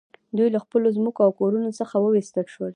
دوی له خپلو ځمکو او کورونو څخه وویستل شول